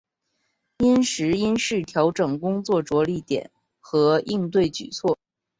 因时因势调整工作着力点和应对举措